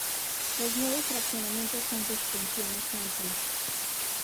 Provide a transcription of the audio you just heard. Los nuevos fraccionamientos son de extensiones amplias.